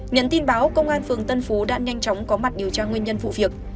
nhận tin báo công an phường tân phú đã nhanh chóng có mặt điều tra nguyên nhân vụ việc